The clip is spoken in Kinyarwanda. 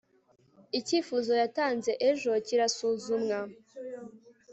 icyifuzo yatanze ejo kirasuzumwa